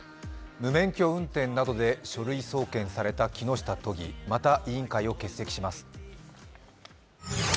無免許運転などで書類送検された木下都議、また、委員会を欠席します。